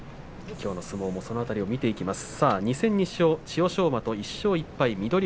きょうの相撲もその辺りを見ていきます。